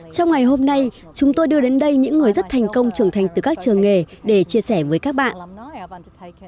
trong ngày hôm nay chúng tôi đưa đến đây những người rất thành công trưởng thành từ các trường nghề để chia sẻ với các bạn